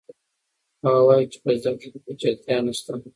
هغه وایي چې په زده کړه کې پیچلتیا نشته.